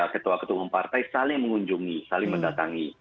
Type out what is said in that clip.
ketua ketua umum partai saling mengunjungi saling mendatangi